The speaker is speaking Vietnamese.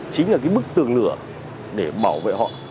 chính là cái bức tường lửa để bảo vệ họ